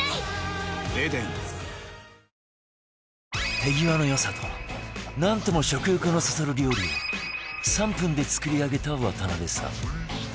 手際の良さとなんとも食欲のそそる料理を３分で作り上げた渡邊さん